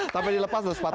sampai dilepas loh sepatu